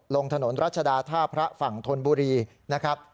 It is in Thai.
ลงถนนรัชดาท่าพระฝั่งธนบุรีนะครับ